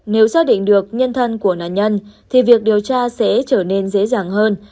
nếu xác định được nhân thân của nạn nhân thì việc điều tra sẽ trở nên dễ dàng hơn